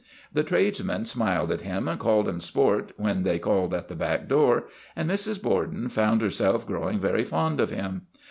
The tradesmen smiled at him and called him " Sport ' when they called at the back door, and Mrs. Borden found herself growing very fond of him.